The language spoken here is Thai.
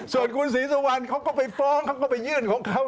ส่วนคุณศรีสุวรรณเขาก็ไปฟ้องเขาก็ไปยื่นของเขา